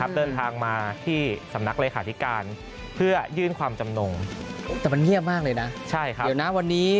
เดินทางมาที่สำนักเลขาธิการเพื่อยื่นความจำนงแต่มันเงียบมากเลยนะเดี๋ยวนะวันนี้